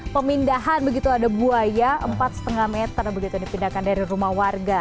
pemindahan begitu ada buaya empat lima meter begitu dipindahkan dari rumah warga